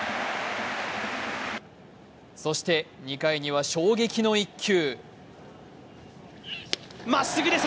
そして、２回には衝撃の一球。